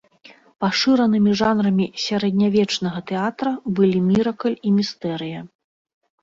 Пашыранымі жанрамі сярэднявечнага тэатра былі міракль і містэрыя.